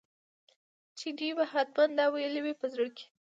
چیني به حتمي دا ویلي وي په زړه کې.